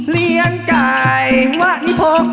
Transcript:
เลี้ยงกายวะนิพก